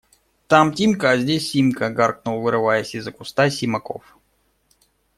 – Там Тимка, а здесь Симка! – гаркнул, вырываясь из-за куста, Симаков.